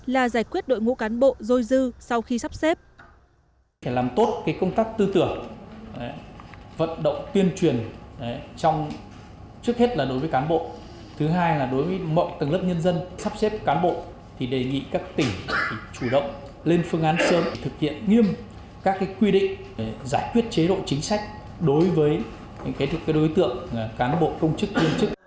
là giải quyết đội ngũ cán bộ dôi dư sau khi sắp xếp